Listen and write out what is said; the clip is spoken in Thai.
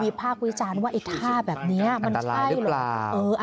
มีภาควิจารณ์ว่าไอ้ท่าแบบนี้มันใช่หรือเปล่า